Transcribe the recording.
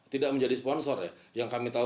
tidak menjadi sponsor ya yang kami tahu